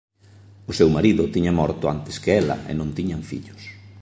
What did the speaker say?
O seu marido tiña morto antes que ela e non tiñan fillos.